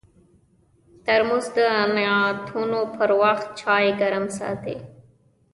ترموز د نعتونو پر وخت چای ګرم ساتي.